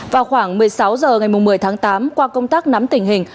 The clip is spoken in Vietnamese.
vào khoảng một mươi sáu h ngày một mươi tháng tám qua công tác nắm tình hình